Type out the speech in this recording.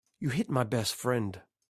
You hit my best friend.